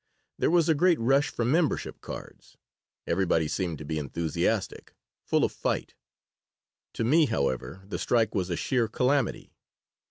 There was a great rush for membership cards. Everybody seemed to be enthusiastic, full of fight. To me, however, the strike was a sheer calamity.